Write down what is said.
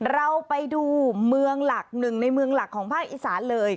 เราไปดูเมืองหลักหนึ่งในเมืองหลักของภาคอีสานเลย